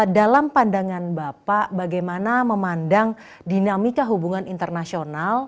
dalam pandangan bapak bagaimana memandang dinamika hubungan internasional